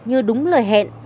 như đúng lời hẹn